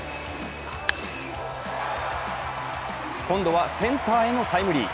今度はセンターへのタイムリー。